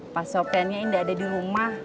pak sofiannya ini gak ada di rumah